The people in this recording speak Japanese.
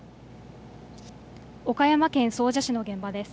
岡山県総社市の現場です。